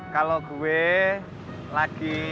kalau gue lagi